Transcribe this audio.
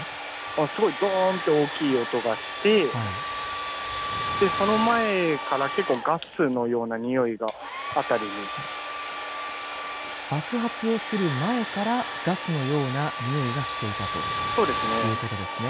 すごいどーんと大きい音がしてで、その前からガスのような臭いが辺りに爆発をする前から、ガスのような臭いがしていたということですね。